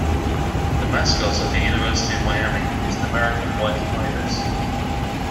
The mascot of the University of Miami is an American white ibis.